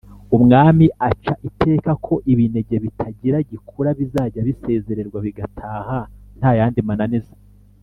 umwami aca iteka ko ibinege bitagira gikura bizajya bisezererwa bigataha nta yandi mananiza.